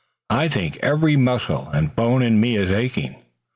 "I think every muscle and bone in me is aching."